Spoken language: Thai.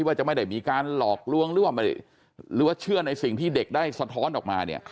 ว่าจะไม่ได้มีการหลอกลวงหรือว่าหรือว่าเชื่อในสิ่งที่เด็กได้สะท้อนออกมาเนี่ย